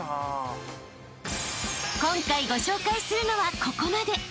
［今回ご紹介するのはここまで］